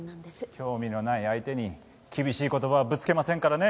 興味のない相手に厳しい言葉はぶつけませんからね。